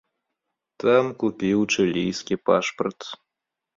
Там купіў чылійскі пашпарт.